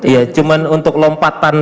iya cuma untuk lompatan